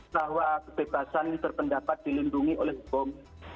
bahwa kebebasan berpendapat dilindungi oleh hukum